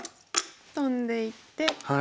トンでいって。